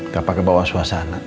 kapa kebawa suasana